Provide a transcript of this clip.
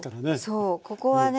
そうここはね